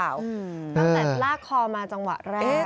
ตั้งแต่ลากคอมาจังหวะแรก